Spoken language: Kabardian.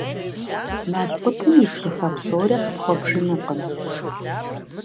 Налкъутым и плъыфэ псори къыпхуэбжынукъым.